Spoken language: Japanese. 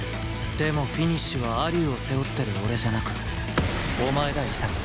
でもフィニッシュは蟻生を背負ってる俺じゃなくお前だ潔